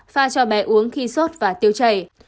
pha cho bé uống khi sốt và tiêu chảy